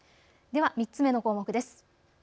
では３つ目の項目です。